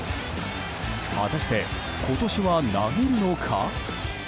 果たして、今年は投げるのか？